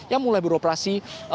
yang mulai beroperasi